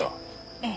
ええ。